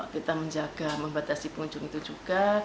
kita menjaga membatasi pengunjung itu juga